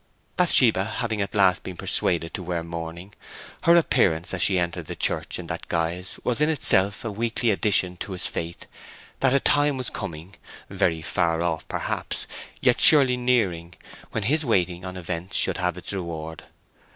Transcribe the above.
Bathsheba having at last been persuaded to wear mourning, her appearance as she entered the church in that guise was in itself a weekly addition to his faith that a time was coming—very far off perhaps, yet surely nearing—when his waiting on events should have its reward.